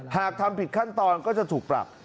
หากทำผิดขั้นตอนก็จะถูกปรับ